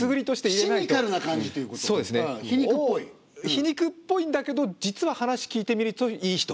皮肉っぽいんだけど実は話聞いてみるといい人。